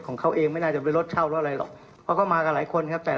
เงินไม่ได้ช่วยอะไรนะครับ